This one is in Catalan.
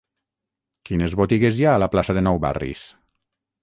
Quines botigues hi ha a la plaça de Nou Barris?